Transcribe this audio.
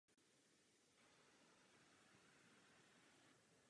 Ženy jsou také mnohem více vystaveny sociálnímu vyloučení.